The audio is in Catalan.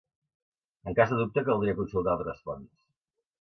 En cas de dubte caldria consultar altres fonts.